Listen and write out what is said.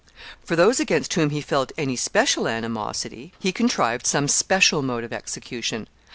For those against whom he felt any special animosity, he contrived some special mode of execution.